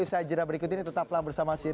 usai jurnal berikut ini tetaplah bersama sini